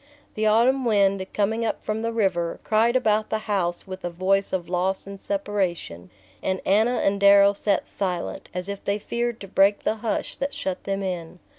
The autumn wind, coming up from the river, cried about the house with a voice of loss and separation; and Anna and Darrow sat silent, as if they feared to break the hush that shut them in.